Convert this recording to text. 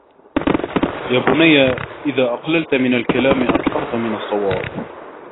يَا بُنَيَّ إذَا أَقْلَلْتَ مِنْ الْكَلَامِ أَكْثَرْتَ مِنْ الصَّوَابِ